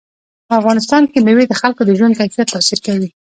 په افغانستان کې مېوې د خلکو د ژوند کیفیت تاثیر کوي.